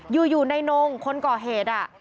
อยู่ในนงคนก่อเหตุ